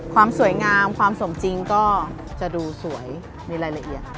ความสวยงามความสมจริงก็จะดูสวยมีรายละเอียด